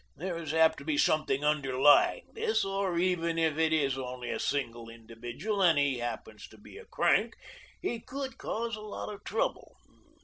There is apt to be something underlying this, or even if it is only a single individual and he happens to be a crank he could cause a lot of trouble.